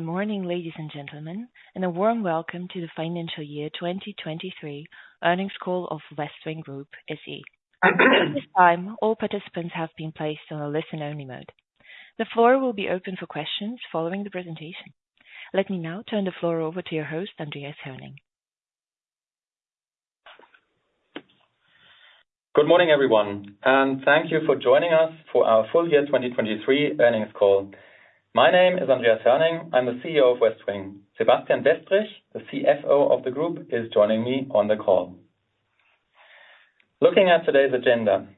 Good morning, ladies and gentlemen, and a warm welcome to the Financial Year 2023 Earnings Call of Westwing Group SE. At this time, all participants have been placed on a listen-only mode. The floor will be open for questions following the presentation. Let me now turn the floor over to your host, Andreas Hoerning. Good morning, everyone, and thank you for joining us for our full year 2023 earnings call. My name is Andreas Hoerning. I'm the CEO of Westwing. Sebastian Westrich, the CFO of the group, is joining me on the call. Looking at today's agenda,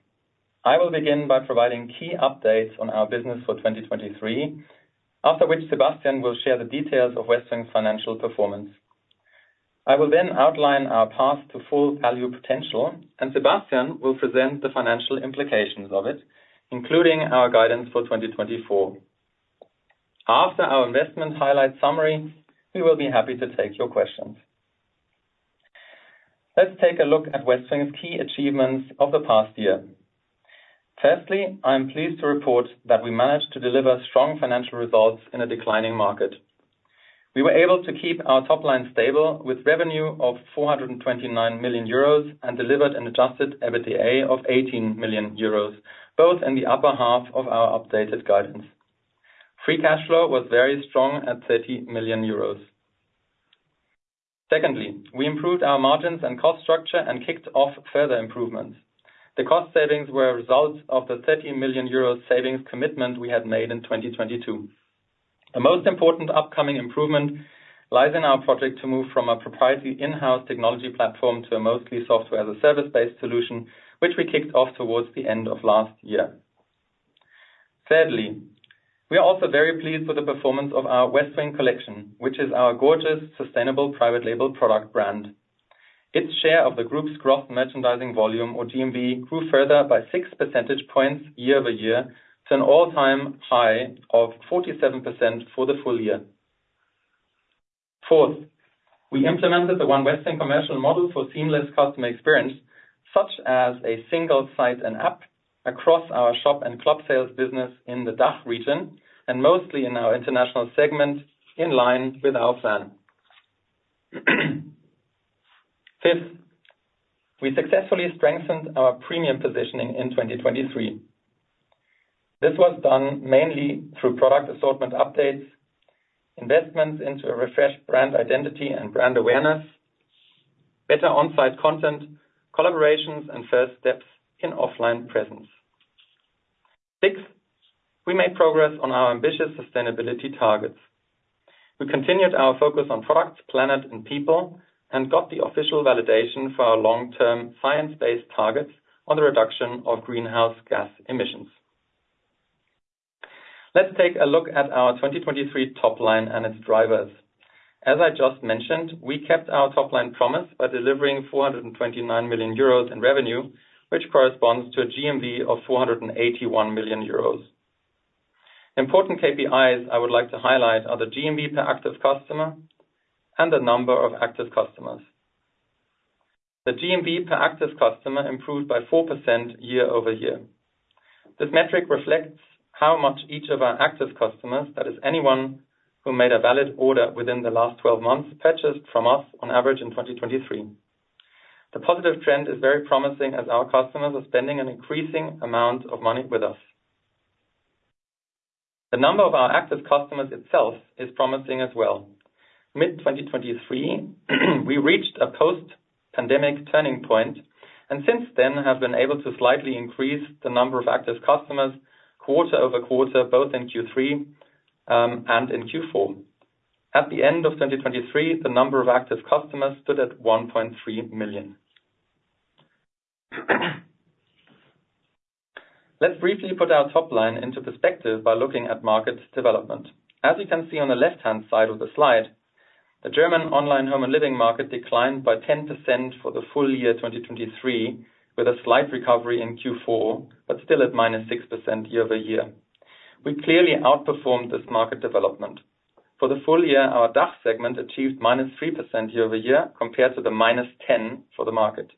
I will begin by providing key updates on our business for 2023, after which Sebastian will share the details of Westwing's financial performance. I will then outline our path to full value potential, and Sebastian will present the financial implications of it, including our guidance for 2024. After our investment highlight summary, we will be happy to take your questions. Let's take a look at Westwing's key achievements of the past year. Firstly, I am pleased to report that we managed to deliver strong financial results in a declining market. We were able to keep our top line stable with revenue of 429 million euros, and delivered an Adjusted EBITDA of 18 million euros, both in the upper half of our updated guidance. Free cash flow was very strong at 30 million euros. Secondly, we improved our margins and cost structure and kicked off further improvements. The cost savings were a result of the 30 million euro savings commitment we had made in 2022. The most important upcoming improvement lies in our project to move from a proprietary in-house technology platform to a mostly Software as a Service-based solution, which we kicked off towards the end of last year. Thirdly, we are also very pleased with the performance of our Westwing Collection, which is our gorgeous, sustainable, private label product brand. Its share of the group's growth, merchandising volume or GMV, grew further by 6 percentage points year-over-year, to an all-time high of 47% for the full year. Fourth, we implemented the One Westwing commercial model for seamless customer experience, such as a single site and app across our Shop and Club Sales business in the DACH region, and mostly in our International segments in line with our plan. Fifth, we successfully strengthened our premium positioning in 2023. This was done mainly through product assortment updates, investments into a refreshed brand identity and brand awareness, better on-site content, collaborations, and first steps in offline presence. Sixth, we made progress on our ambitious sustainability targets. We continued our focus on products, planet and people, and got the official validation for our long-term science-based targets on the reduction of greenhouse gas emissions. Let's take a look at our 2023 top line and its drivers. As I just mentioned, we kept our top line promise by delivering 429 million euros in revenue, which corresponds to a GMV of 481 million euros. Important KPIs I would like to highlight are the GMV per active customer and the number of active customers. The GMV per active customer improved by 4% year-over-year. This metric reflects how much each of our active customers, that is anyone who made a valid order within the last 12 months, purchased from us on average in 2023. The positive trend is very promising as our customers are spending an increasing amount of money with us. The number of our active customers itself is promising as well. Mid-2023, we reached a post-pandemic turning point, and since then have been able to slightly increase the number of active customers quarter-over-quarter, both in Q3 and in Q4. At the end of 2023, the number of active customers stood at 1.3 million. Let's briefly put our top line into perspective by looking at market development. As you can see on the left-hand side of the slide, the German online home and living market declined by 10% for the full year 2023, with a slight recovery in Q4, but still at -6% year-over-year. We clearly outperformed this market development. For the full year, our DACH segment achieved -3% year-over-year, compared to the -10% for the market.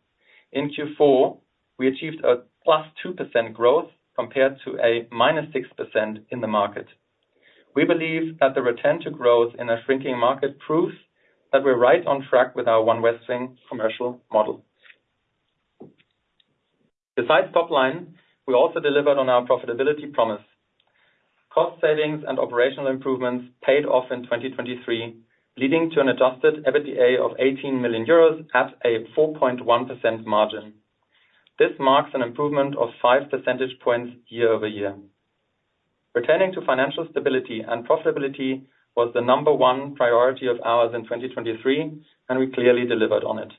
In Q4, we achieved a +2% growth compared to a -6% in the market. We believe that the return to growth in a shrinking market proves that we're right on track with our One Westwing commercial model. Besides top line, we also delivered on our profitability promise. Cost savings and operational improvements paid off in 2023, leading to an Adjusted EBITDA of 18 million euros at a 4.1% margin. This marks an improvement of five percentage points year-over-year. Returning to financial stability and profitability was the number one priority of ours in 2023, and we clearly delivered on it.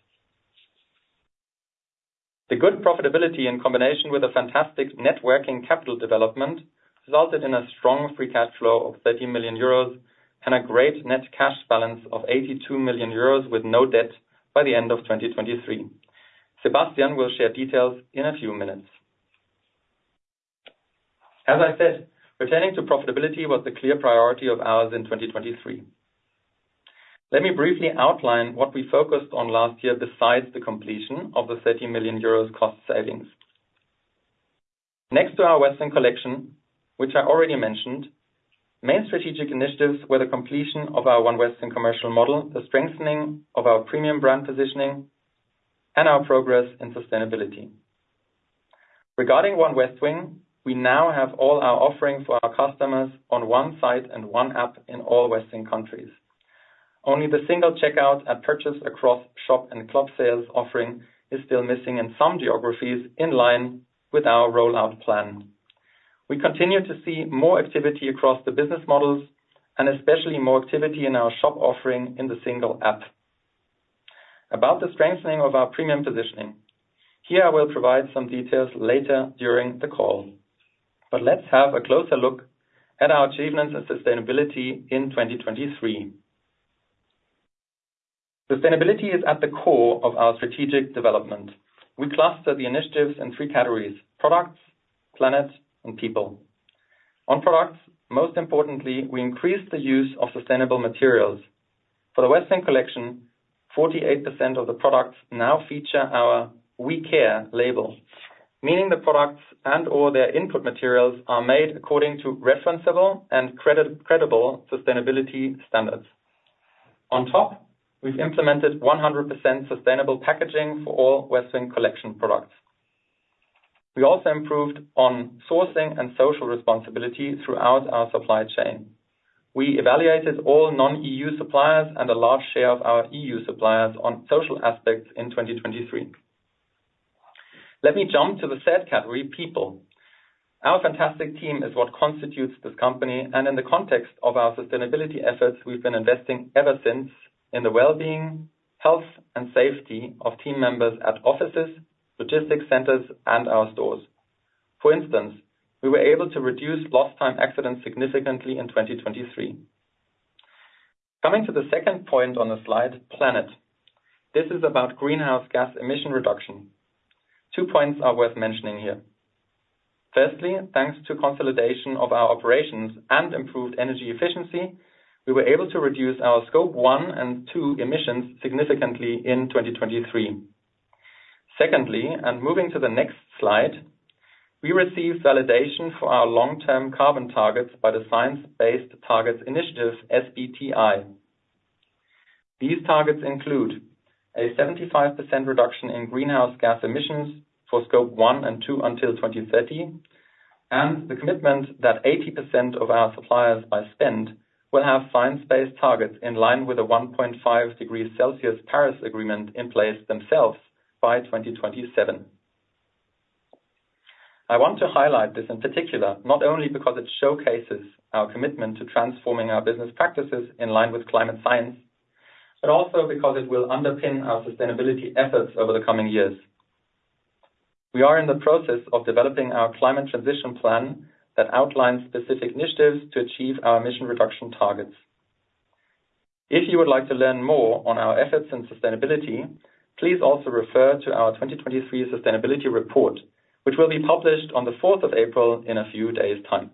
The good profitability in combination with a fantastic Net Working Capital development resulted in a strong Free Cash Flow of 30 million euros and a great net cash balance of 82 million euros with no debt by the end of 2023. Sebastian will share details in a few minutes. As I said, returning to profitability was the clear priority of ours in 2023. Let me briefly outline what we focused on last year besides the completion of the 30 million euros cost savings.... Next to our Westwing Collection, which I already mentioned, main strategic initiatives were the completion of our One Westwing commercial model, the strengthening of our premium brand positioning, and our progress in sustainability. Regarding One Westwing, we now have all our offerings for our customers on one site and one app in all Westwing countries. Only the single checkout and purchase across Shop and Club Sales offering is still missing in some geographies, in line with our rollout plan. We continue to see more activity across the business models, and especially more activity in our Shop offering in the single app. About the strengthening of our premium positioning, here I will provide some details later during the call, but let's have a closer look at our achievements and sustainability in 2023. Sustainability is at the core of our strategic development. We cluster the initiatives in three categories: Products, Planet, and People. On products, most importantly, we increase the use of sustainable materials. For the Westwing Collection, 48% of the products now feature our We Care label, meaning the products and/or their input materials are made according to referenceable and credible sustainability standards. On top, we've implemented 100% sustainable packaging for all Westwing Collection products. We also improved on sourcing and social responsibility throughout our supply chain. We evaluated all non-EU suppliers and a large share of our EU suppliers on social aspects in 2023. Let me jump to the third category, people. Our fantastic team is what constitutes this company, and in the context of our sustainability efforts, we've been investing ever since in the well-being, health, and safety of team members at offices, logistics centers, and our stores. For instance, we were able to reduce lost time accidents significantly in 2023. Coming to the second point on the slide, planet. This is about greenhouse gas emission reduction. Two points are worth mentioning here. Firstly, thanks to consolidation of our operations and improved energy efficiency, we were able to reduce our Scope 1 and 2 emissions significantly in 2023. Secondly, and moving to the next slide, we received validation for our long-term carbon targets by the Science Based Targets initiative, SBTi. These targets include a 75% reduction in greenhouse gas emissions for Scope 1 and 2 until 2030, and the commitment that 80% of our suppliers by spend, will have science-based targets in line with a 1.5 degrees Celsius Paris Agreement in place themselves by 2027. I want to highlight this in particular, not only because it showcases our commitment to transforming our business practices in line with climate science, but also because it will underpin our sustainability efforts over the coming years. We are in the process of developing our climate transition plan that outlines specific initiatives to achieve our emission reduction targets. If you would like to learn more on our efforts and sustainability, please also refer to our 2023 sustainability report, which will be published on April 4 in a few days time.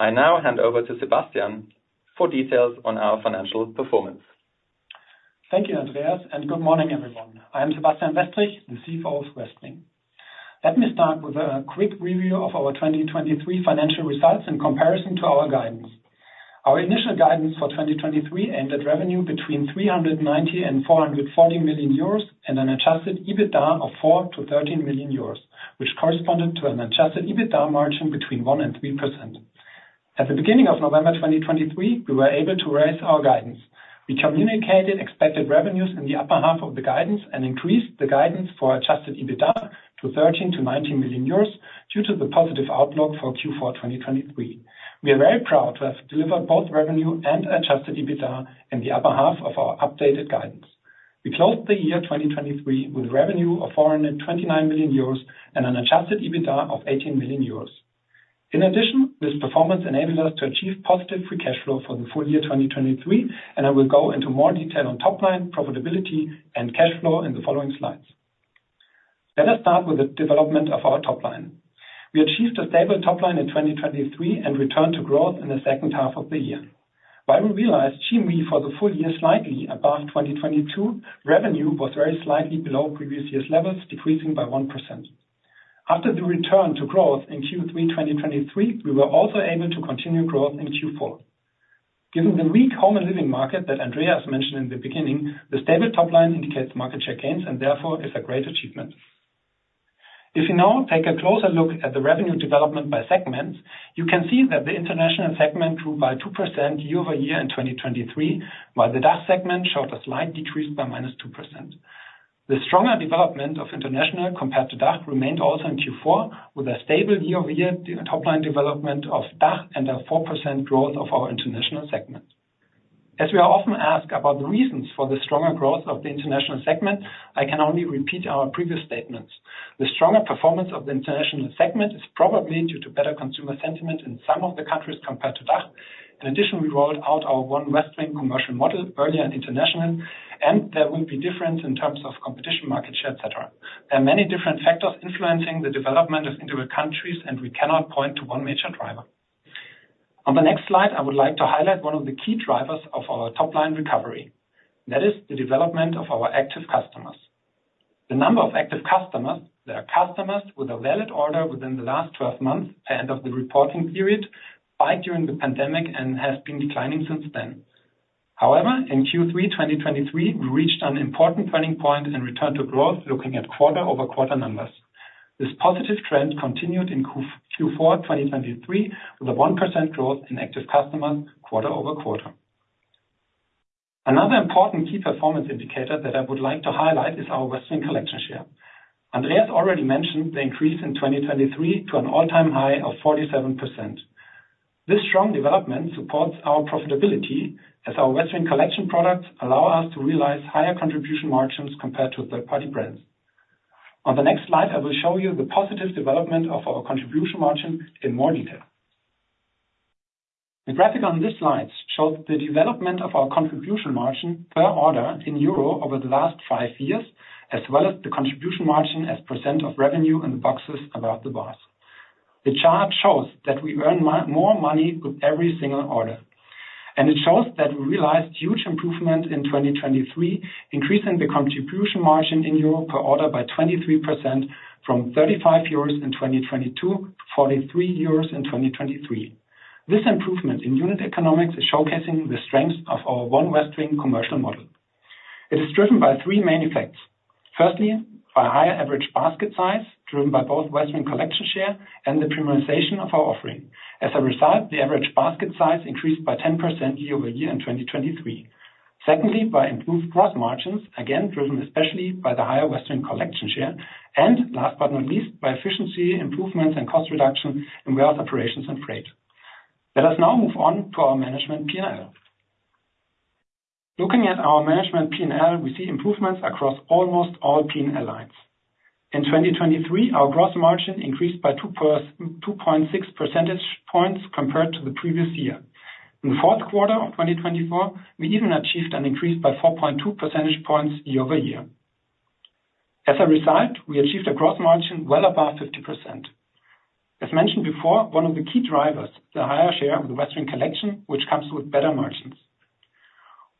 I now hand over to Sebastian for details on our financial performance. Thank you, Andreas, and good morning, everyone. I am Sebastian Westrich, the CFO of Westwing. Let me start with a quick review of our 2023 financial results in comparison to our guidance. Our initial guidance for 2023 net revenue between 390 million euros and 440 million euros, and an Adjusted EBITDA of 4 million-13 million euros, which corresponded to an Adjusted EBITDA margin between 1% and 3%. At the beginning of November 2023, we were able to raise our guidance. We communicated expected revenues in the upper half of the guidance and increased the guidance for Adjusted EBITDA to 13 million-19 million euros due to the positive outlook for Q4 2023. We are very proud to have delivered both revenue and Adjusted EBITDA in the upper half of our updated guidance. We closed the year 2023 with revenue of 429 million euros and an Adjusted EBITDA of 18 million euros. In addition, this performance enabled us to achieve positive free cash flow for the full year 2023, and I will go into more detail on top line profitability and cash flow in the following slides. Let us start with the development of our top line. We achieved a stable top line in 2023 and returned to growth in the second half of the year. While we realized GMV for the full year, slightly above 2022, revenue was very slightly below previous year's levels, decreasing by 1%. After the return to growth in Q3 2023, we were also able to continue growth in Q4. Given the weak home and living market that Andreas mentioned in the beginning, the stable top line indicates market share gains and therefore is a great achievement. If you now take a closer look at the revenue development by segments, you can see that the International segment grew by 2% year-over-year in 2023, while the DACH segment showed a slight decrease by -2%. The stronger development of international compared to DACH, remained also in Q4, with a stable year-over-year top line development of DACH and a 4% growth of our International segment. As we are often asked about the reasons for the stronger growth of the International segment, I can only repeat our previous statements. The stronger performance of the International segment is probably due to better consumer sentiment in some of the countries compared to DACH. In addition, we rolled out our One Westwing commercial model earlier in international, and there will be difference in terms of competition, market share, et cetera. There are many different factors influencing the development of individual countries, and we cannot point to one major driver. On the next slide, I would like to highlight one of the key drivers of our top line recovery, that is the development of our active customers. The number of active customers, they are customers with a valid order within the last 12 months of the reporting period, peaked during the pandemic and has been declining since then. However, in Q3 2023, we reached an important turning point and returned to growth, looking at quarter-over-quarter numbers. This positive trend continued in Q4 2023, with a 1% growth in active customers quarter-over-quarter. Another important key performance indicator that I would like to highlight is our Westwing Collection share. Andreas already mentioned the increase in 2023 to an all-time high of 47%. This strong development supports our profitability as our Westwing Collection products allow us to realize higher contribution margins compared to third-party brands. On the next slide, I will show you the positive development of our contribution margin in more detail. The graphic on this slide shows the development of our contribution margin per order in EUR over the last five years, as well as the contribution margin as percent of revenue in the boxes above the bars. The chart shows that we earn more money with every single order, and it shows that we realized huge improvement in 2023, increasing the contribution margin in Europe per order by 23% from 35 euros in 2022 to 43 euros in 2023. This improvement in unit economics is showcasing the strengths of our One Westwing commercial model. It is driven by three main effects. Firstly, by higher average basket size, driven by both Westwing Collection share and the premiumization of our offering. As a result, the average basket size increased by 10% year-over-year in 2023. Secondly, by improved gross margins, again, driven especially by the higher Westwing Collection share, and last but not least, by efficiency improvements and cost reduction in warehouse operations and freight. Let us now move on to our management P&L. Looking at our management P&L, we see improvements across almost all P&L lines. In 2023, our gross margin increased by 2.6 percentage points compared to the previous year. In the fourth quarter of 2024, we even achieved an increase by 4.2 percentage points year-over-year. As a result, we achieved a gross margin well above 50%. As mentioned before, one of the key drivers, the higher share of the Westwing Collection, which comes with better margins.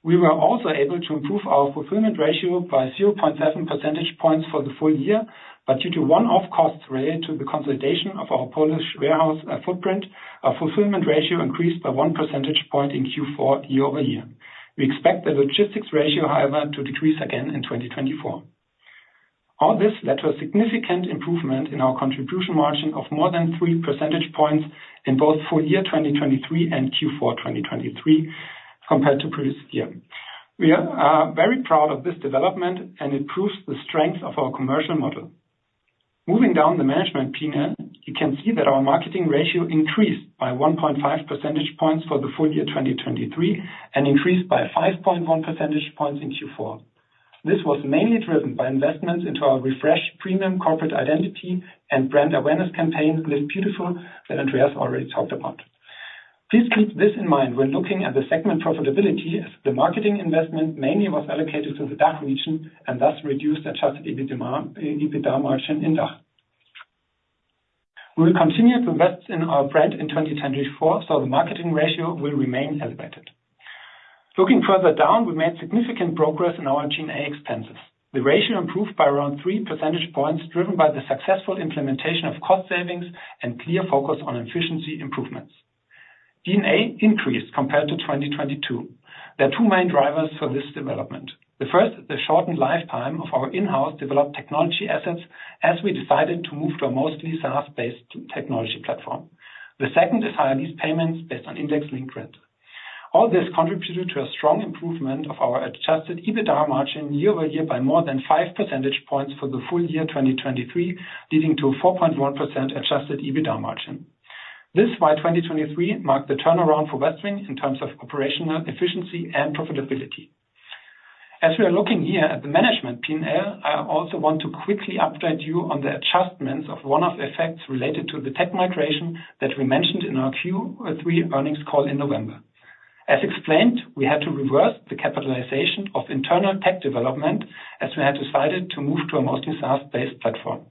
We were also able to improve our fulfillment ratio by 0.7 percentage points for the full year, but due to one-off costs related to the consolidation of our Polish warehouse footprint, our fulfillment ratio increased by 1 percentage point in Q4 year-over-year. We expect the logistics ratio, however, to decrease again in 2024. All this led to a significant improvement in our contribution margin of more than 3 percentage points in both full year 2023 and Q4 2023 compared to previous year. We are very proud of this development, and it proves the strength of our commercial model. Moving down the management P&L, you can see that our marketing ratio increased by 1.5 percentage points for the full year 2023, and increased by 5.1 percentage points in Q4. This was mainly driven by investments into our refreshed premium corporate identity and brand awareness campaign, Live Beautiful, that Andreas already talked about. Please keep this in mind when looking at the segment profitability, as the marketing investment mainly was allocated to the DACH region and thus reduced Adjusted EBITDA margin in DACH. We will continue to invest in our brand in 2024, so the marketing ratio will remain elevated. Looking further down, we made significant progress in our G&A expenses. The ratio improved by around 3 percentage points, driven by the successful implementation of cost savings and clear focus on efficiency improvements. G&A increased compared to 2022. There are two main drivers for this development. The first, the shortened lifetime of our in-house developed technology assets, as we decided to move to a mostly SaaS-based technology platform. The second is high lease payments based on index link rent. All this contributed to a strong improvement of our Adjusted EBITDA margin year over year by more than 5 percentage points for the full year, 2023, leading to a 4.1% Adjusted EBITDA margin. This is why 2023 marked the turnaround for Westwing in terms of operational efficiency and profitability. As we are looking here at the management P&L, I also want to quickly update you on the adjustments of one-off effects related to the tech migration that we mentioned in our Q3 earnings call in November. As explained, we had to reverse the capitalization of internal tech development as we had decided to move to a mostly SaaS-based platform.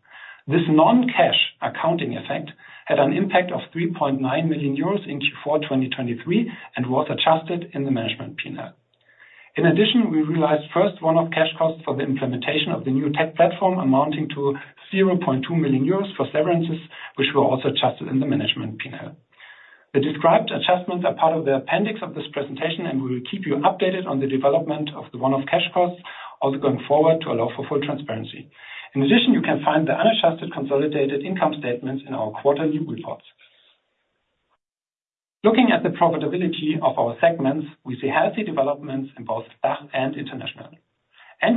This non-cash accounting effect had an impact of 3.9 million euros in Q4 2023 and was adjusted in the management P&L. In addition, we realized first one-off cash costs for the implementation of the new tech platform, amounting to 0.2 million euros for severances, which were also adjusted in the management P&L. The described adjustments are part of the appendix of this presentation, and we will keep you updated on the development of the one-off cash costs, also going forward to allow for full transparency. In addition, you can find the unadjusted consolidated income statements in our quarterly reports. Looking at the profitability of our segments, we see healthy developments in both DACH and international.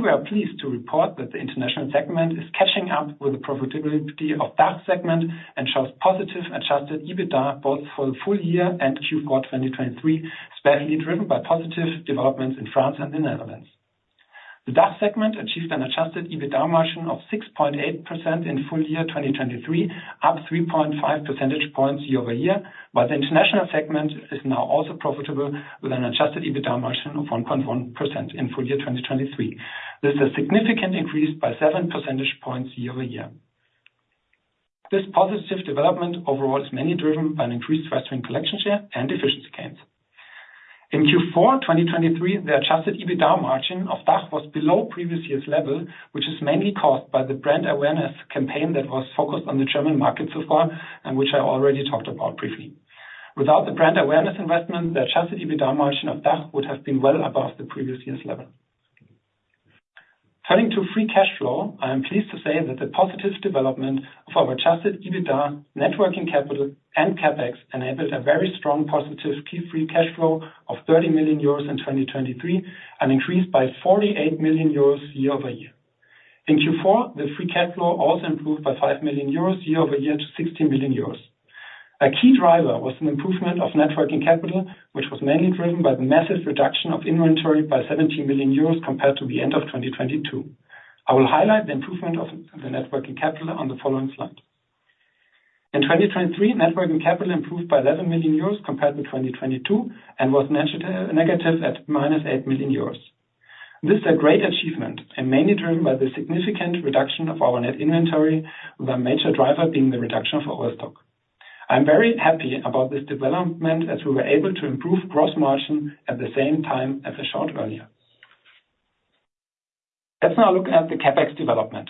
We are pleased to report that the International segment is catching up with the profitability of DACH segment and shows positive Adjusted EBITDA, both for the full year and Q4 2023, especially driven by positive developments in France and the Netherlands. The DACH segment achieved an Adjusted EBITDA margin of 6.8% in full year 2023, up 3.5 percentage points year-over-year, while the International segment is now also profitable, with an Adjusted EBITDA margin of 1.1% in full year 2023. This is a significant increase by 7 percentage points year-over-year. This positive development overall is mainly driven by an increased Westwing Collection share and efficiency gains. In Q4 2023, the Adjusted EBITDA margin of DACH was below previous year's level, which is mainly caused by the brand awareness campaign that was focused on the German market so far, and which I already talked about briefly. Without the brand awareness investment, the Adjusted EBITDA margin of DACH would have been well above the previous year's level. Turning to Free Cash Flow, I am pleased to say that the positive development of our Adjusted EBITDA, Net Working Capital and CapEx enabled a very strong positive Free Cash Flow of 30 million euros in 2023, and increased by 48 million euros year-over-year. In Q4, the Free Cash Flow also improved by 5 million euros year-over-year to 16 million euros. A key driver was an improvement of Net Working Capital, which was mainly driven by the massive reduction of inventory by 17 million euros compared to the end of 2022. I will highlight the improvement of the Net Working Capital on the following slide. In 2023, Net Working Capital improved by 11 million euros compared to 2022, and was negative at -8 million euros. This is a great achievement and mainly driven by the significant reduction of our net inventory, with a major driver being the reduction for old stock. I'm very happy about this development as we were able to improve gross margin at the same time as I showed earlier. Let's now look at the CapEx development.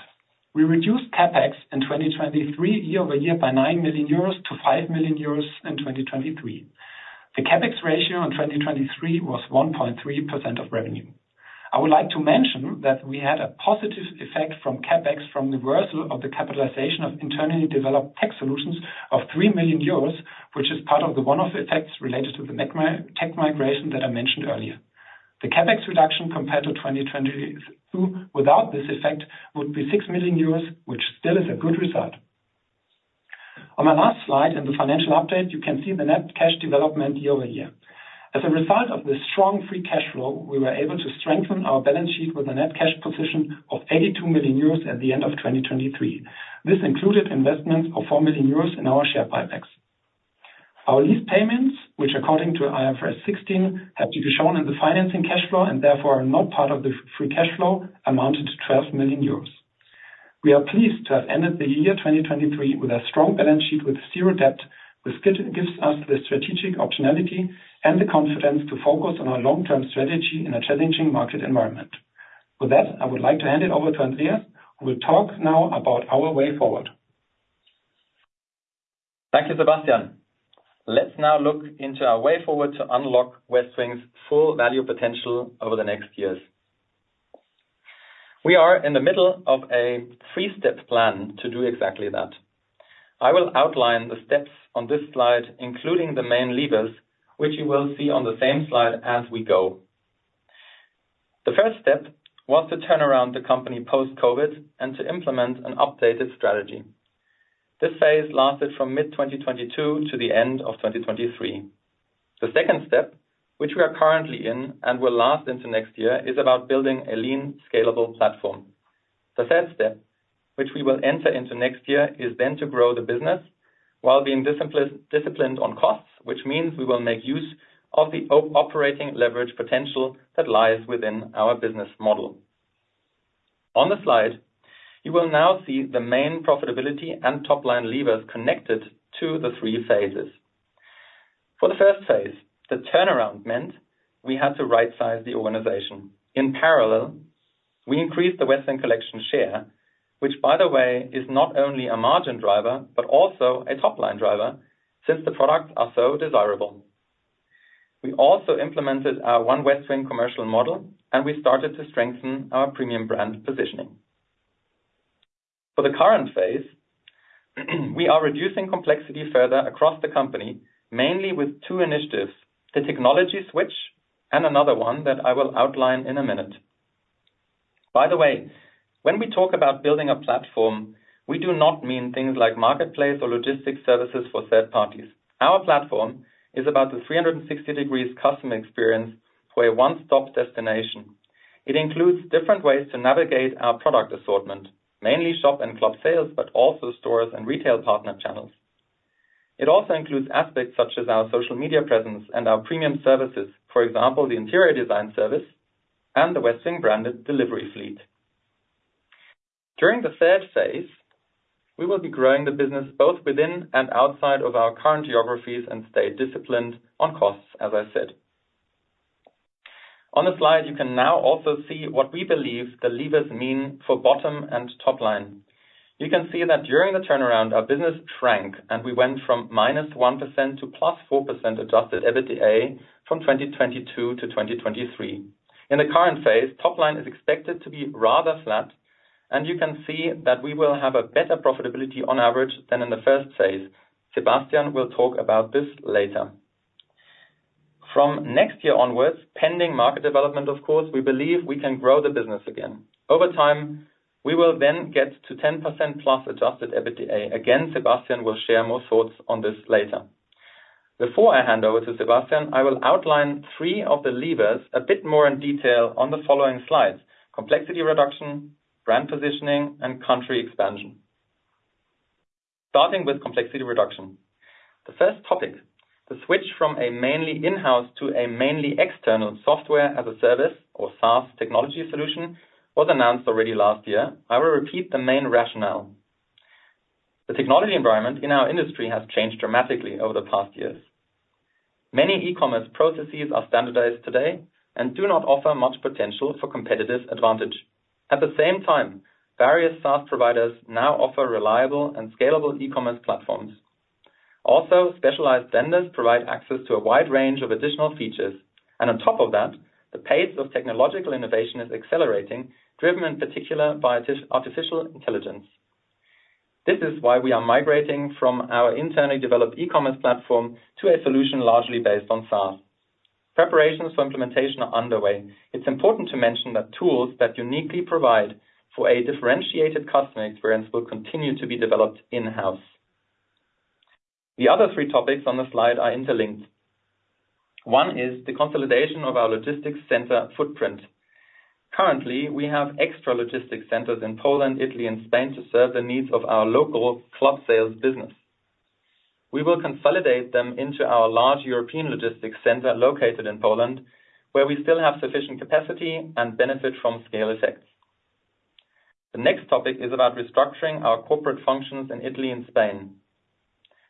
We reduced CapEx in 2023 year-over-year by 9 million euros to 5 million euros in 2023. The CapEx ratio in 2023 was 1.3% of revenue. I would like to mention that we had a positive effect from CapEx, from the reversal of the capitalization of internally developed tech solutions of 3 million euros, which is part of the one-off effects related to the tech migration that I mentioned earlier. The CapEx reduction compared to 2022, without this effect, would be 6 million euros, which still is a good result. On my last slide, in the financial update, you can see the net cash development year-over-year. As a result of this strong free cash flow, we were able to strengthen our balance sheet with a net cash position of 82 million euros at the end of 2023. This included investments of 4 million euros in our share buybacks. Our lease payments, which according to IFRS 16, have to be shown in the financing cash flow and therefore are not part of the free cash flow, amounted to 12 million euros. We are pleased to have ended the year 2023 with a strong balance sheet with zero debt, which gives us the strategic optionality and the confidence to focus on our long-term strategy in a challenging market environment. With that, I would like to hand it over to Andreas, who will talk now about our way forward. Thank you, Sebastian. Let's now look into our way forward to unlock Westwing's full value potential over the next years. We are in the middle of a three-step plan to do exactly that. I will outline the steps on this slide, including the main levers, which you will see on the same slide as we go. The first step was to turn around the company post-COVID and to implement an updated strategy. This phase lasted from mid-2022 to the end of 2023. The second step, which we are currently in and will last into next year, is about building a lean, scalable platform. The third step, which we will enter into next year, is then to grow the business while being disciplined on costs, which means we will make use of the operating leverage potential that lies within our business model. On the slide, you will now see the main profitability and top-line levers connected to the three phases. For the first phase, the turnaround meant we had to rightsize the organization. In parallel, we increased the Westwing Collection share, which, by the way, is not only a margin driver, but also a top-line driver, since the products are so desirable. We also implemented our One Westwing commercial model, and we started to strengthen our premium brand positioning. For the current phase, we are reducing complexity further across the company, mainly with two initiatives: the technology switch and another one that I will outline in a minute. By the way, when we talk about building a platform, we do not mean things like marketplace or logistics services for third parties. Our platform is about the 360 degrees customer experience for a one-stop destination. It includes different ways to navigate our product assortment, mainly Shop and Club Sales, but also stores and retail partner channels. It also includes aspects such as our social media presence and our premium services. For example, the interior design service and the Westwing branded delivery fleet. During the third phase, we will be growing the business both within and outside of our current geographies and stay disciplined on costs, as I said. On the slide, you can now also see what we believe the levers mean for bottom and top line. You can see that during the turnaround, our business shrank, and we went from -1% to +4% Adjusted EBITDA from 2022 to 2023. In the current phase, top line is expected to be rather flat, and you can see that we will have a better profitability on average than in the first phase. Sebastian will talk about this later. From next year onwards, pending market development, of course, we believe we can grow the business again. Over time, we will then get to 10%+ Adjusted EBITDA. Again, Sebastian will share more thoughts on this later. Before I hand over to Sebastian, I will outline three of the levers a bit more in detail on the following slides: complexity reduction, brand positioning, and country expansion. Starting with complexity reduction. The first topic, the switch from a mainly in-house to a mainly external Software as a Service or SaaS technology solution, was announced already last year. I will repeat the main rationale. The technology environment in our industry has changed dramatically over the past years. Many e-commerce processes are standardized today and do not offer much potential for competitive advantage. At the same time, various SaaS providers now offer reliable and scalable e-commerce platforms. Also, specialized vendors provide access to a wide range of additional features, and on top of that, the pace of technological innovation is accelerating, driven in particular by artificial intelligence. This is why we are migrating from our internally developed e-commerce platform to a solution largely based on SaaS. Preparations for implementation are underway. It's important to mention that tools that uniquely provide for a differentiated customer experience will continue to be developed in-house. The other three topics on the slide are interlinked. One is the consolidation of our logistics center footprint. Currently, we have extra logistics centers in Poland, Italy and Spain to serve the needs of our local club sales business. We will consolidate them into our large European logistics center located in Poland, where we still have sufficient capacity and benefit from scale effects. The next topic is about restructuring our corporate functions in Italy and Spain.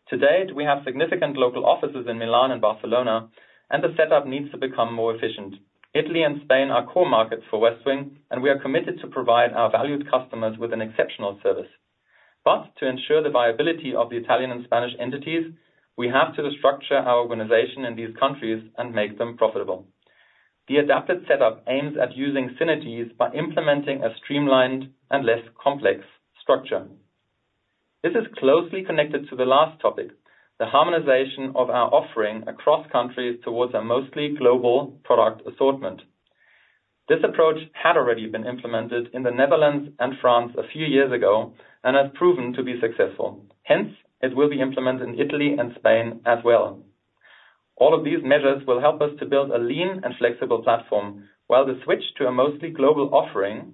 To date, we have significant local offices in Milan and Barcelona, and the setup needs to become more efficient. Italy and Spain are core markets for Westwing, and we are committed to provide our valued customers with an exceptional service. But to ensure the viability of the Italian and Spanish entities, we have to restructure our organization in these countries and make them profitable. The adapted setup aims at using synergies by implementing a streamlined and less complex structure. This is closely connected to the last topic, the harmonization of our offering across countries towards a mostly global product assortment. This approach had already been implemented in the Netherlands and France a few years ago and has proven to be successful. Hence, it will be implemented in Italy and Spain as well. All of these measures will help us to build a lean and flexible platform, while the switch to a mostly global offering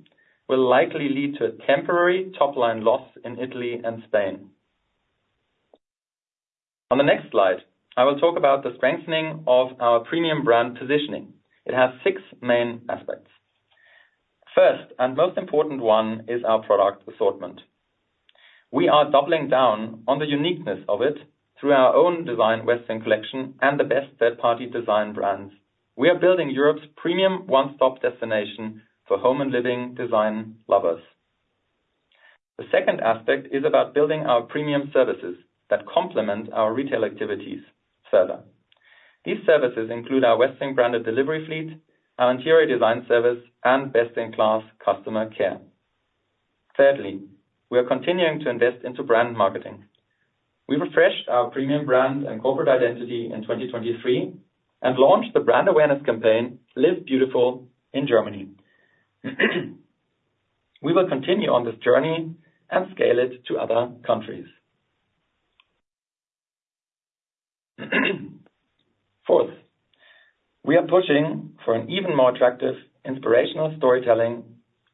will likely lead to a temporary top-line loss in Italy and Spain. On the next slide, I will talk about the strengthening of our premium brand positioning. It has six main aspects. First, and most important one is our product assortment. We are doubling down on the uniqueness of it through our own design Westwing Collection and the best third-party design brands. We are building Europe's premium one-stop destination for home and living design lovers. The second aspect is about building our premium services that complement our retail activities further. These services include our Westwing branded delivery fleet, our interior design service and best-in-class customer care. Thirdly, we are continuing to invest into brand marketing. We refreshed our premium brand and corporate identity in 2023 and launched the brand awareness campaign, Live Beautiful, in Germany. We will continue on this journey and scale it to other countries. Fourth, we are pushing for an even more attractive, inspirational storytelling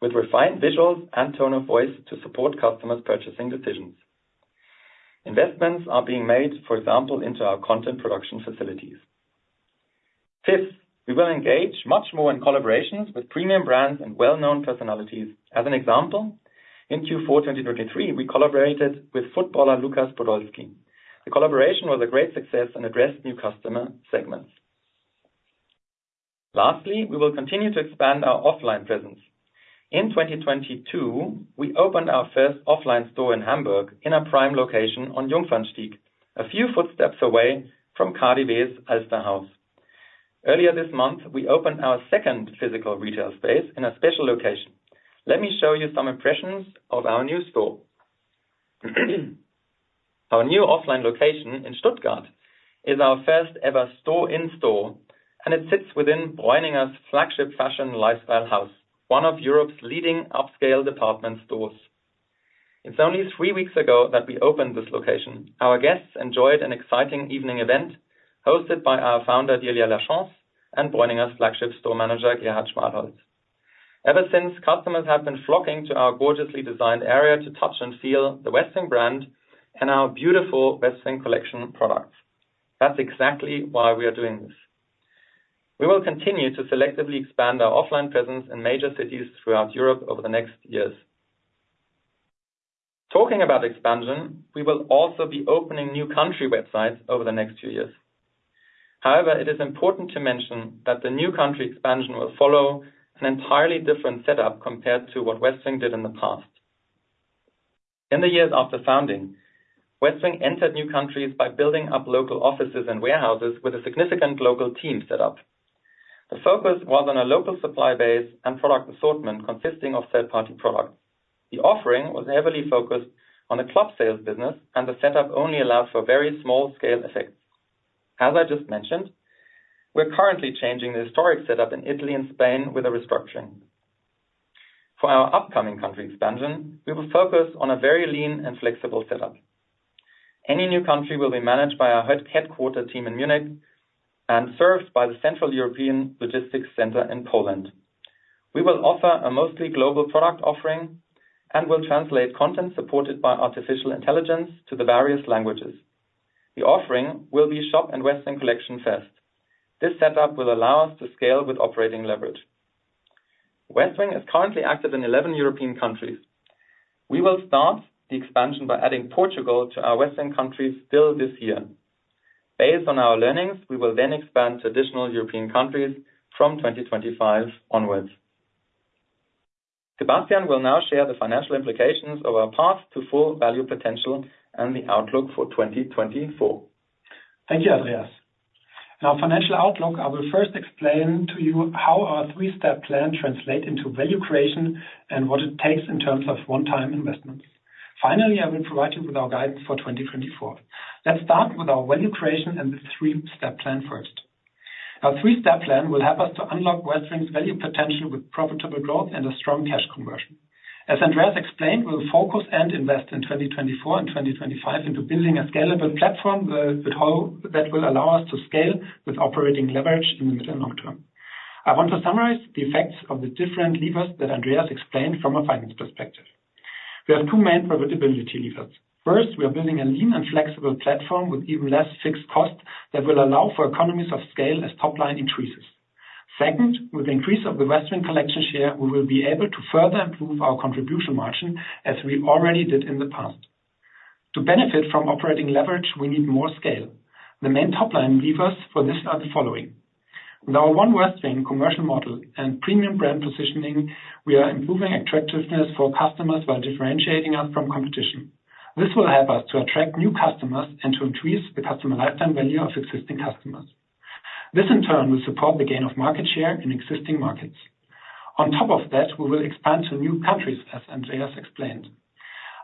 with refined visuals and tone of voice to support customers' purchasing decisions. Investments are being made, for example, into our content production facilities. Fifth, we will engage much more in collaborations with premium brands and well-known personalities. As an example, in Q4 2023, we collaborated with footballer Lukas Podolski. The collaboration was a great success and addressed new customer segments. Lastly, we will continue to expand our offline presence. In 2022, we opened our first offline store in Hamburg, in a prime location on Jungfernstieg, a few footsteps away from KaDeWe's Alsterhaus. Earlier this month, we opened our second physical retail space in a special location. Let me show you some impressions of our new store. Our new offline location in Stuttgart is our first ever store-in-store, and it sits within Breuninger's flagship fashion lifestyle house, one of Europe's leading upscale department stores. It's only three weeks ago that we opened this location. Our guests enjoyed an exciting evening event hosted by our founder, Delia Lachance, and Breuninger's flagship store manager, Gerhard Schmalholz. Ever since, customers have been flocking to our gorgeously designed area to touch and feel the Westwing brand and our beautiful Westwing Collection products. That's exactly why we are doing this. We will continue to selectively expand our offline presence in major cities throughout Europe over the next years. Talking about expansion, we will also be opening new country websites over the next two years. However, it is important to mention that the new country expansion will follow an entirely different setup compared to what Westwing did in the past. In the years after founding, Westwing entered new countries by building up local offices and warehouses with a significant local team set up. The focus was on a local supply base and product assortment consisting of third-party products. The offering was heavily focused on the club sales business, and the setup only allowed for very small scale effects. As I just mentioned, we're currently changing the historic setup in Italy and Spain with a restructuring. For our upcoming country expansion, we will focus on a very lean and flexible setup. Any new country will be managed by our headquarters team in Munich and served by the European Logistics Center in Poland. We will offer a mostly global product offering and will translate content supported by artificial intelligence to the various languages. The offering will be Shop and Westwing Collection first. This setup will allow us to scale with operating leverage. Westwing is currently active in 11 European countries. We will start the expansion by adding Portugal to our Westwing countries still this year. Based on our learnings, we will then expand to additional European countries from 2025 onwards. Sebastian will now share the financial implications of our path to full value potential and the outlook for 2024. Thank you, Andreas. Now, financial outlook, I will first explain to you how our three-step plan translate into value creation and what it takes in terms of one-time investments. Finally, I will provide you with our guidance for 2024. Let's start with our value creation and the three-step plan first. Our three-step plan will help us to unlock Westwing's value potential with profitable growth and a strong cash conversion. As Andreas explained, we'll focus and invest in 2024 and 2025 into building a scalable platform that will allow us to scale with operating leverage in the mid and long term. I want to summarize the effects of the different levers that Andreas explained from a finance perspective. We have two main profitability levers. First, we are building a lean and flexible platform with even less fixed costs that will allow for economies of scale as top line increases. Second, with increase of the Westwing Collection share, we will be able to further improve our Contribution Margin, as we already did in the past. To benefit from operating leverage, we need more scale. The main top line levers for this are the following: With our One Westwing commercial model and premium brand positioning, we are improving attractiveness for customers while differentiating us from competition. This will help us to attract new customers and to increase the customer lifetime value of existing customers. This, in turn, will support the gain of market share in existing markets. On top of that, we will expand to new countries, as Andreas explained.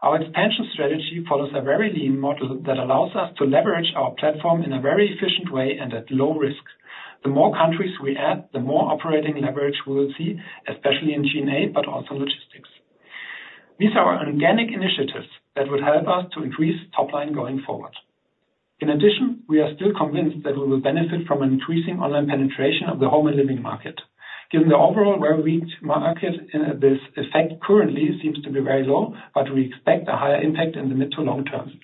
Our expansion strategy follows a very lean model that allows us to leverage our platform in a very efficient way and at low risk. The more countries we add, the more operating leverage we will see, especially in G&A, but also logistics. These are organic initiatives that would help us to increase top line going forward. In addition, we are still convinced that we will benefit from an increasing online penetration of the home and living market. Given the overall very weak market, and this effect currently seems to be very low, but we expect a higher impact in the mid to long term.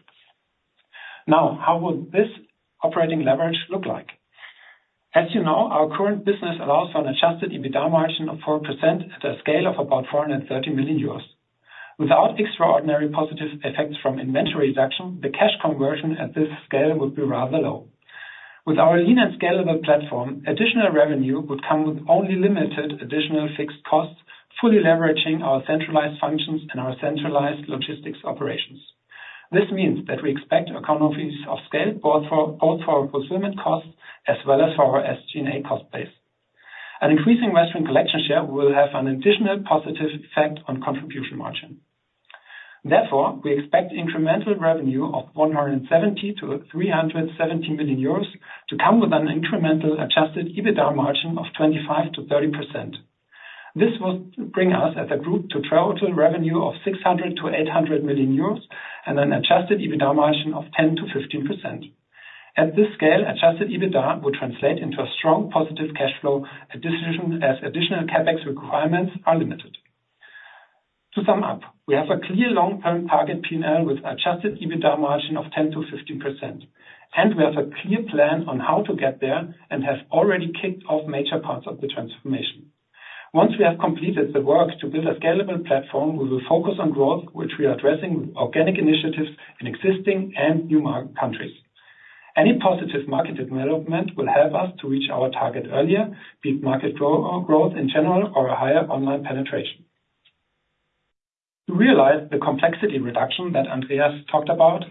Now, how would this operating leverage look like? As you know, our current business allows an Adjusted EBITDA margin of 4% at a scale of about 430 million euros. Without extraordinary positive effects from inventory reduction, the cash conversion at this scale would be rather low. With our lean and scalable platform, additional revenue would come with only limited additional fixed costs, fully leveraging our centralized functions and our centralized logistics operations. This means that we expect economies of scale, both for our fulfillment costs as well as for our SG&A cost base. An increasing Westwing Collection share will have an additional positive effect on Contribution Margin. Therefore, we expect incremental revenue of 170 million-370 million euros to come with an incremental Adjusted EBITDA margin of 25%-30%. This will bring us as a group to 600 million-800 million euros revenue and an Adjusted EBITDA margin of 10%-15%. At this scale, Adjusted EBITDA would translate into a strong positive cash flow, additionally as additional CapEx requirements are limited. To sum up, we have a clear long-term target P&L with Adjusted EBITDA margin of 10%-15%, and we have a clear plan on how to get there and have already kicked off major parts of the transformation. Once we have completed the work to build a scalable platform, we will focus on growth, which we are addressing with organic initiatives in existing and new markets and countries. Any positive market development will help us to reach our target earlier, be it market growth in general or a higher online penetration. To realize the complexity reduction that Andreas talked about,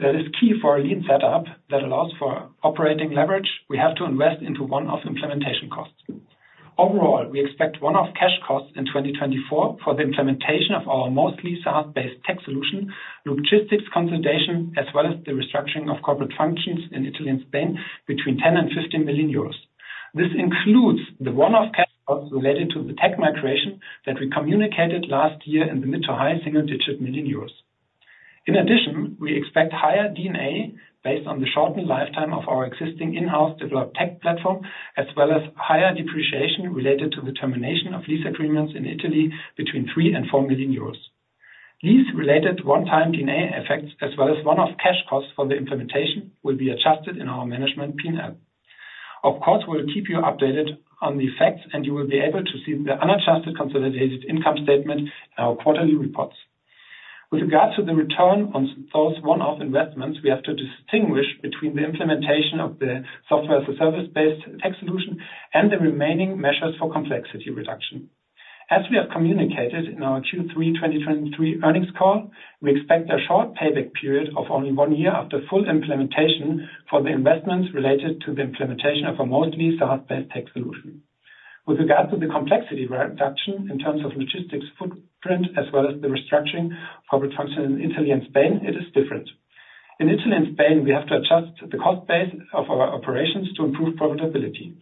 that is key for a lean setup that allows for operating leverage, we have to invest into one-off implementation costs. Overall, we expect one-off cash costs in 2024 for the implementation of our mostly SaaS-based tech solution, logistics consolidation, as well as the restructuring of corporate functions in Italy and Spain, between 10 million and 15 million euros. This includes the one-off cash costs related to the tech migration that we communicated last year in the mid- to high-single-digit million EUR. In addition, we expect higher D&A based on the shortened lifetime of our existing in-house developed tech platform, as well as higher depreciation related to the termination of lease agreements in Italy between 3 million and 4 million euros. Lease-related one-time D&A effects, as well as one-off cash costs for the implementation, will be adjusted in our management P&L. Of course, we'll keep you updated on the effects, and you will be able to see the unadjusted consolidated income statement in our quarterly reports. With regards to the return on those one-off investments, we have to distinguish between the implementation of the Software as a Service-based tech solution and the remaining measures for complexity reduction. As we have communicated in our Q3 2023 earnings call, we expect a short payback period of only one year after full implementation for the investments related to the implementation of a mostly SaaS-based tech solution. With regards to the complexity reduction in terms of logistics footprint, as well as the restructuring of our function in Italy and Spain, it is different. In Italy and Spain, we have to adjust the cost base of our operations to improve profitability.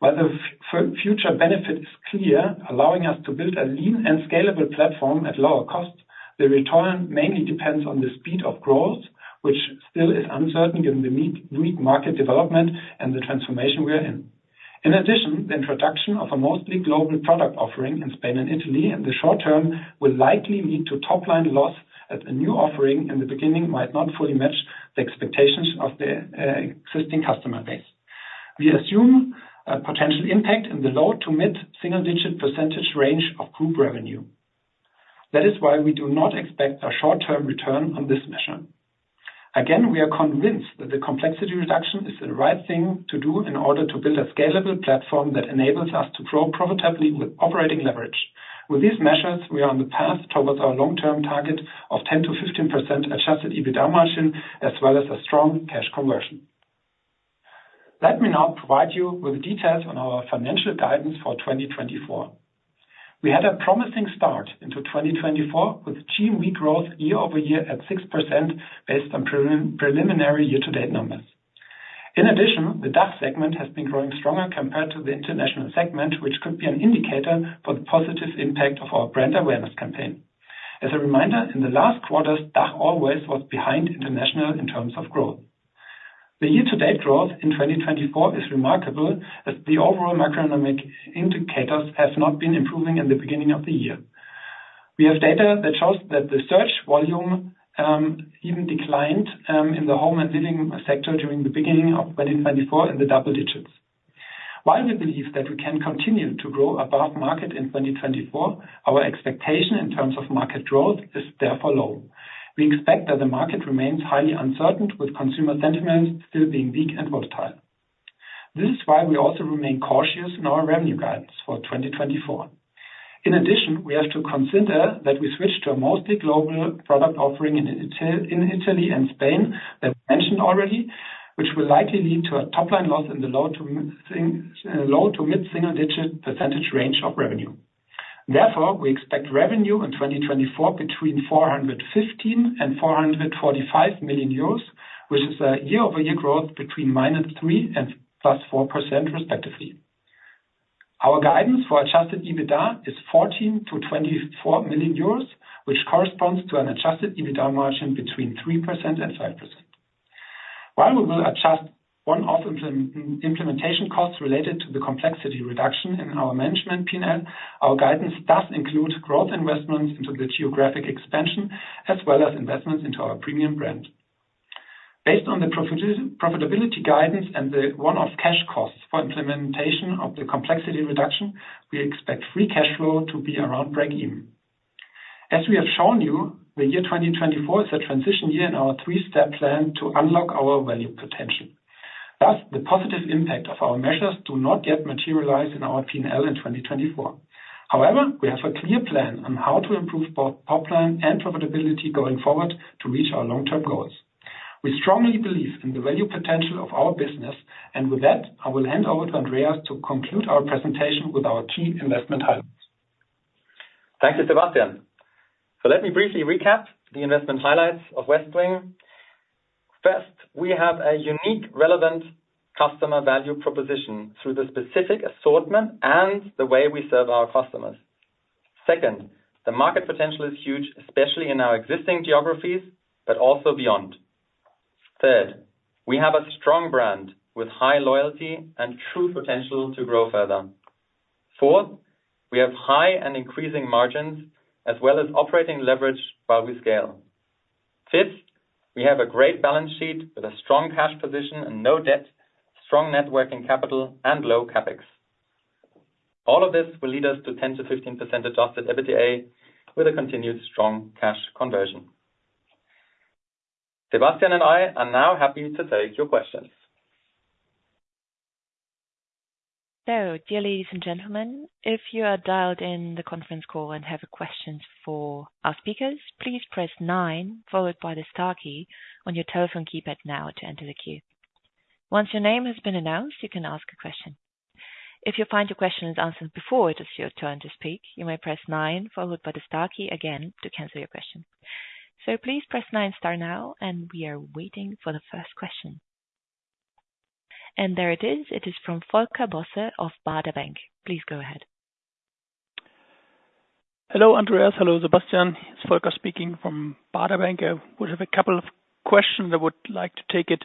While the future benefit is clear, allowing us to build a lean and scalable platform at lower cost-... The return mainly depends on the speed of growth, which still is uncertain given the weak, weak market development and the transformation we are in. In addition, the introduction of a mostly global product offering in Spain and Italy in the short term will likely lead to top line loss, as the new offering in the beginning might not fully match the expectations of the existing customer base. We assume a potential impact in the low- to mid-single-digit percentage range of group revenue. That is why we do not expect a short-term return on this measure. Again, we are convinced that the complexity reduction is the right thing to do in order to build a scalable platform that enables us to grow profitably with operating leverage. With these measures, we are on the path towards our long-term target of 10%-15% Adjusted EBITDA margin, as well as a strong cash conversion. Let me now provide you with details on our financial guidance for 2024. We had a promising start into 2024, with GMV growth year-over-year at 6% based on preliminary year-to-date numbers. In addition, the DACH segment has been growing stronger compared to the International segment, which could be an indicator for the positive impact of our brand awareness campaign. As a reminder, in the last quarters, DACH always was behind international in terms of growth. The year-to-date growth in 2024 is remarkable, as the overall macroeconomic indicators have not been improving in the beginning of the year. We have data that shows that the search volume, even declined, in the home and living sector during the beginning of 2024 in the double digits. While we believe that we can continue to grow above market in 2024, our expectation in terms of market growth is therefore low. We expect that the market remains highly uncertain, with consumer sentiment still being weak and volatile. This is why we also remain cautious in our revenue guidance for 2024. In addition, we have to consider that we switched to a mostly global product offering in Italy and Spain, that we mentioned already, which will likely lead to a top-line loss in the low- to mid-single-digit percentage range of revenue. Therefore, we expect revenue in 2024 between 415 million and 445 million euros, which is a year-over-year growth between -3% and +4%, respectively. Our guidance for Adjusted EBITDA is 14 million-24 million euros, which corresponds to an Adjusted EBITDA margin between 3% and 5%. While we will adjust one-off implementation costs related to the complexity reduction in our management P&L, our guidance does include growth investments into the geographic expansion, as well as investments into our premium brand. Based on the profitability guidance and the one-off cash costs for implementation of the complexity reduction, we expect free cash flow to be around breakeven. As we have shown you, the year 2024 is a transition year in our three-step plan to unlock our value potential. Thus, the positive impact of our measures do not yet materialize in our P&L in 2024. However, we have a clear plan on how to improve both top line and profitability going forward to reach our long-term goals. We strongly believe in the value potential of our business, and with that, I will hand over to Andreas to conclude our presentation with our key investment highlights. Thank you, Sebastian. Let me briefly recap the investment highlights of Westwing. First, we have a unique, relevant customer value proposition through the specific assortment and the way we serve our customers. Second, the market potential is huge, especially in our existing geographies, but also beyond. Third, we have a strong brand with high loyalty and true potential to grow further. Fourth, we have high and increasing margins, as well as operating leverage while we scale. Fifth, we have a great balance sheet with a strong cash position and no debt, strong net working capital, and low CapEx. All of this will lead us to 10%-15% Adjusted EBITDA, with a continued strong cash conversion. Sebastian and I are now happy to take your questions. So dear ladies and gentlemen, if you are dialed in the conference call and have questions for our speakers, please press nine followed by the star key on your telephone keypad now to enter the queue. Once your name has been announced, you can ask a question. If you find your question is answered before it is your turn to speak, you may press nine, followed by the star key again to cancel your question. So please press nine star now, and we are waiting for the first question. And there it is. It is from Volker Bosse of Baader Bank. Please go ahead. Hello, Andreas. Hello, Sebastian. It's Volker speaking from Baader Bank. I would have a couple of questions. I would like to take it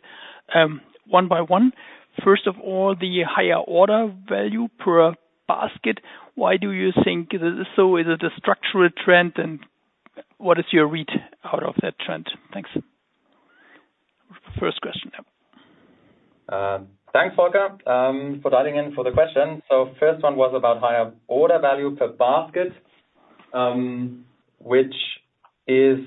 one by one. First of all, the higher order value per basket, why do you think this is so? Is it a structural trend, and what is your read out of that trend? Thanks. First question. Thanks, Volker, for dialing in for the question. So first one was about higher order value per basket, which is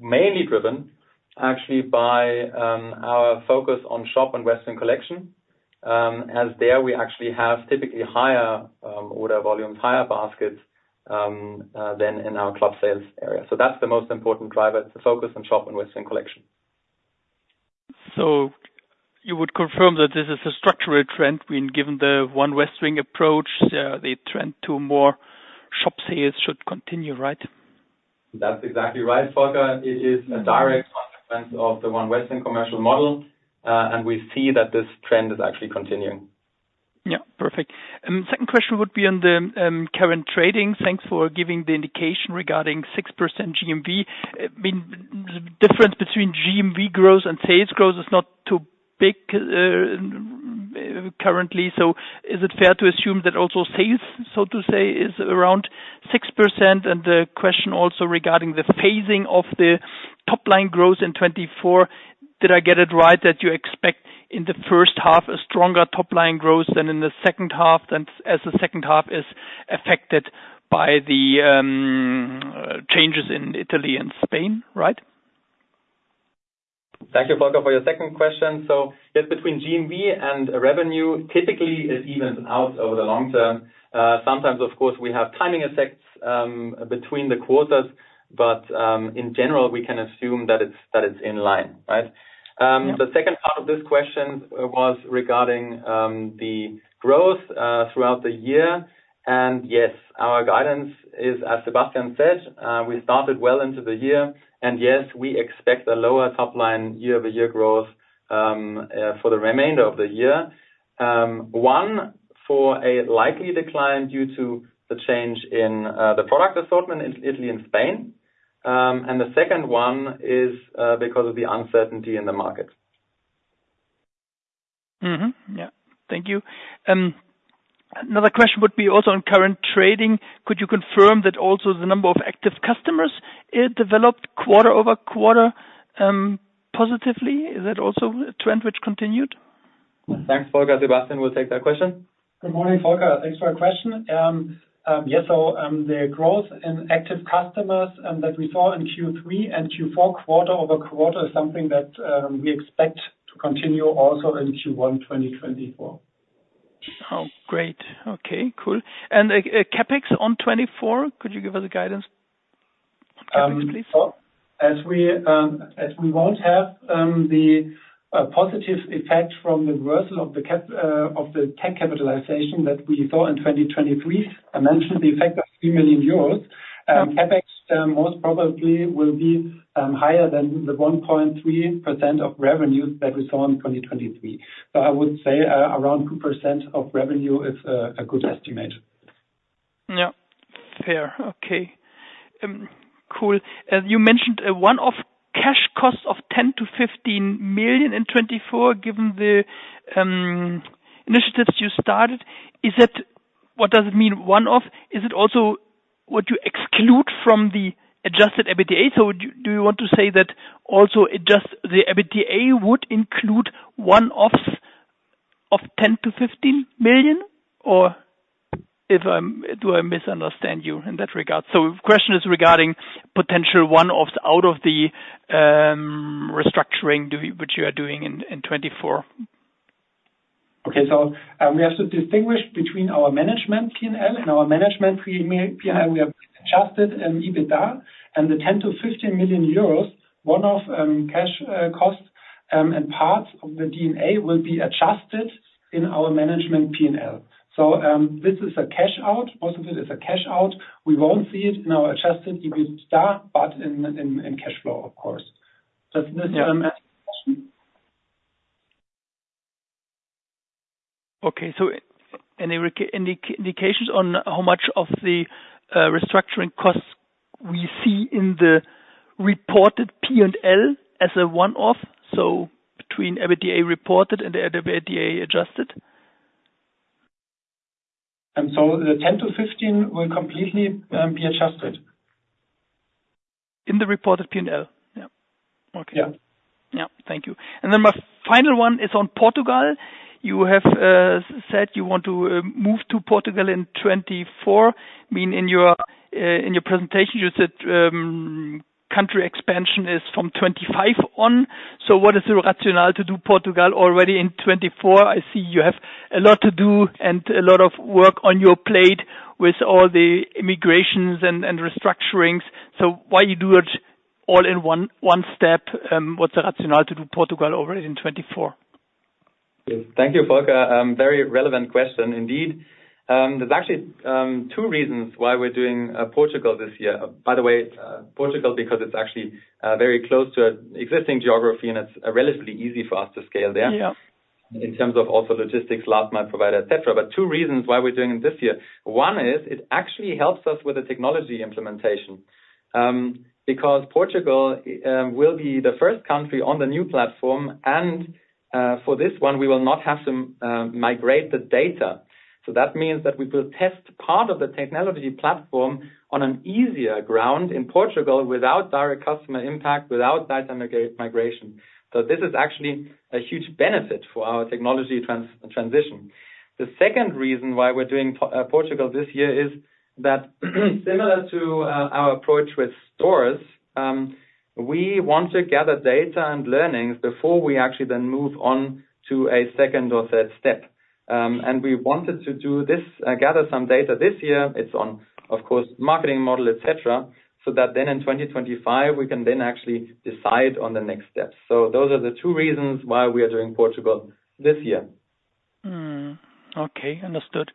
mainly driven actually by our focus on shop and Westwing Collection. As there we actually have typically higher order volumes, higher baskets than in our club sales area. So that's the most important driver, to focus on shop and Westwing Collection. You would confirm that this is a structural trend when, given the One Westwing approach, the trend to more shop sales should continue, right? That's exactly right, Volker. It is a direct consequence of the One Westwing commercial model, and we see that this trend is actually continuing.... Yeah, perfect. Second question would be on the current trading. Thanks for giving the indication regarding 6% GMV. I mean, the difference between GMV growth and sales growth is not too big, currently. So is it fair to assume that also sales, so to say, is around 6%? And the question also regarding the phasing of the top line growth in 2024, did I get it right, that you expect in the first half, a stronger top line growth than in the second half, than as the second half is affected by the changes in Italy and Spain, right? Thank you, Volker, for your second question. So yes, between GMV and revenue, typically it evens out over the long term. Sometimes, of course, we have timing effects between the quarters, but in general, we can assume that it's, that it's in line, right? Yeah. The second part of this question was regarding the growth throughout the year. Yes, our guidance is, as Sebastian said, we started well into the year, and yes, we expect a lower top line year-over-year growth for the remainder of the year. One, for a likely decline due to the change in the product assortment in Italy and Spain. And the second one is because of the uncertainty in the market. Mm-hmm. Yeah. Thank you. Another question would be also on current trading: Could you confirm that also the number of active customers, it developed quarter-over-quarter, positively? Is that also a trend which continued? Thanks, Volker. Sebastian will take that question. Good morning, Volker. Thanks for your question. Yes, so, the growth in active customers that we saw in Q3 and Q4, quarter-over-quarter, is something that we expect to continue also in Q1, 2024. Oh, great. Okay, cool. CapEx on 2024, could you give us a guidance on CapEx, please? So as we won't have the positive effect from the reversal of the cap- of the tech capitalization that we saw in 2023, I mentioned the effect of 3 million euros. CapEx most probably will be higher than the 1.3% of revenues that we saw in 2023. So I would say around 2% of revenue is a good estimate. Yeah. Fair. Okay. Cool. You mentioned a one-off cash cost of 10-15 million in 2024, given the initiatives you started. Is that... What does it mean, one-off? Is it also, would you exclude from the Adjusted EBITDA? So do you want to say that also adjusted the EBITDA would include one-offs of 10 million-15 million, or if I'm, do I misunderstand you in that regard? So the question is regarding potential one-offs out of the restructuring, which you are doing in 2024. Okay. So, we have to distinguish between our management P&L and our management P&L. We have Adjusted EBITDA, and the 10 million-15 million euros one-off cash costs, and parts of the D&A will be adjusted in our management P&L. So, this is a cash out. Most of it is a cash out. We won't see it in our Adjusted EBITDA, but in cash flow, of course. Does this answer the question? Okay, so any indications on how much of the restructuring costs we see in the reported P&L as a one-off, so between EBITDA reported and the EBITDA adjusted? The 10-15 will completely be adjusted. In the reported P&L? Yeah. Okay. Yeah. Yeah. Thank you. And then my final one is on Portugal. You have said you want to move to Portugal in 2024. I mean, in your presentation, you said country expansion is from 2025 on. So what is the rationale to do Portugal already in 2024? I see you have a lot to do and a lot of work on your plate with all the integrations and restructurings. So why you do it all in one step? What's the rationale to do Portugal already in 2024? Yes. Thank you, Volker. Very relevant question indeed. There's actually two reasons why we're doing Portugal this year. By the way, Portugal, because it's actually very close to existing geography, and it's relatively easy for us to scale there. Yeah... In terms of also logistics, last mile provider, et cetera. But two reasons why we're doing it this year: One is it actually helps us with the technology implementation, because Portugal will be the first country on the new platform, and, for this one, we will not have to migrate the data. So that means that we will test part of the technology platform on an easier ground in Portugal without direct customer impact, without data migration. So this is actually a huge benefit for our technology transition. The second reason why we're doing Portugal this year is that, similar to our approach with stores, we want to gather data and learnings before we actually then move on to a second or third step. We wanted to do this, gather some data this year, it's on, of course, marketing model, et cetera, so that then in 2025, we can then actually decide on the next steps. So those are the two reasons why we are doing Portugal this year. Okay, understood.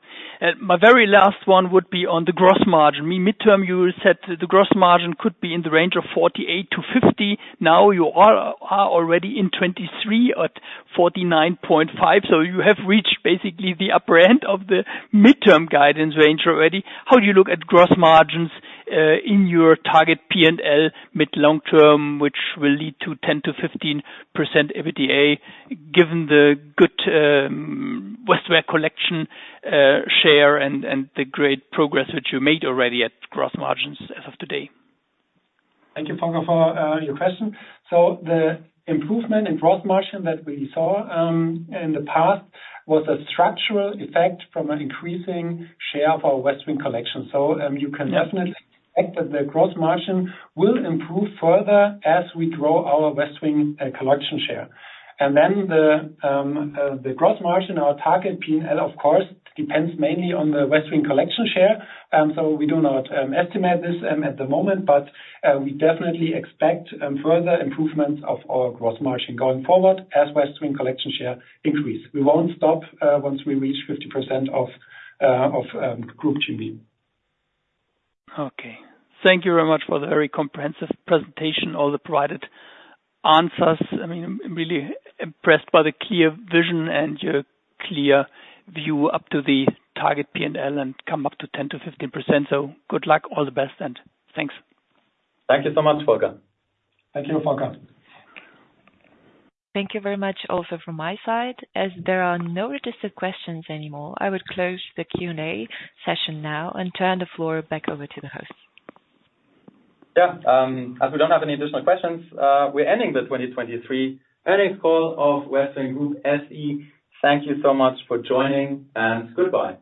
My very last one would be on the gross margin. In midterm, you said the gross margin could be in the range of 48-50. Now, you are already in 2023 at 49.5, so you have reached basically the upper end of the midterm guidance range already. How do you look at gross margins in your target P&L, mid-, long-term, which will lead to 10%-15% EBITDA, given the good Westwing Collection share and the great progress which you made already at gross margins as of today? Thank you, Volker, for your question. So the improvement in gross margin that we saw in the past was a structural effect from an increasing share of our Westwing Collection. So you can definitely expect that the gross margin will improve further as we grow our Westwing Collection share. And then the gross margin, our target P&L, of course, depends mainly on the Westwing Collection share. So we do not estimate this at the moment, but we definitely expect further improvements of our gross margin going forward as Westwing Collection share increase. We won't stop once we reach 50% of group GMV. Okay. Thank you very much for the very comprehensive presentation, all the provided answers. I mean, I'm really impressed by the clear vision and your clear view up to the target P&L and come up to 10%-15%. So good luck. All the best, and thanks. Thank you so much, Volker. Thank you, Volker. Thank you very much also from my side. As there are no registered questions anymore, I would close the Q&A session now and turn the floor back over to the host. Yeah. As we don't have any additional questions, we're ending the 2023 earnings call of Westwing Group SE. Thank you so much for joining, and goodbye.